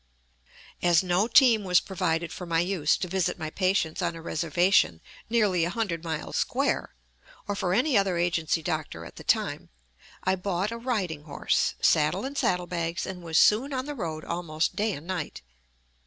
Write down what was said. As no team was provided for my use to visit my patients on a reservation nearly a hundred miles square (or for any other agency doctor at the time), I bought a riding horse, saddle and saddle bags, and was soon on the road almost day and night.